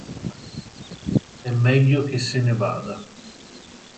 È meglio che se ne vada.